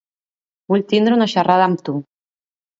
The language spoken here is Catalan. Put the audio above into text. Vull tindre una xerrada amb tu.